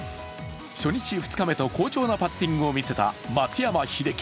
初日、２日目と好調なパッティングを見せた松山英樹。